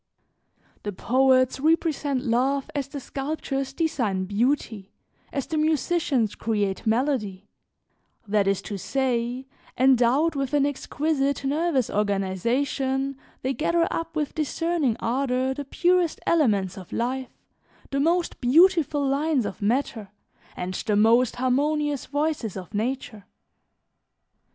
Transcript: "The poets represent love as the sculptors design beauty, as the musicians create melody; that is to say, endowed with an exquisite nervous organization, they gather up with discerning ardor the purest elements of life, the most beautiful lines of matter, and the most harmonious voices of nature.